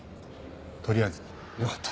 とりあえずよかった。